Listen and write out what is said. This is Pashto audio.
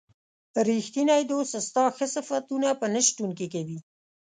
ریښتینی دوست ستا ښه صفتونه په نه شتون کې کوي.